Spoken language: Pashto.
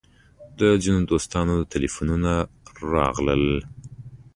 د ځینو دوستانو تیلفونونه راغلل.